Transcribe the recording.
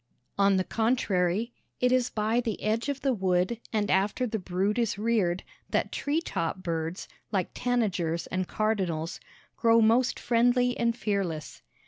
On the contrary, it is by the edge of the wood and after the brood is reared, that tree top birds, like tanagers and cardinals, grow most friendly and fearless.